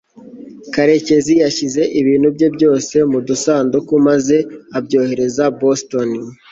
karekezi yashyize ibintu bye byose mu dusanduku maze abyohereza boston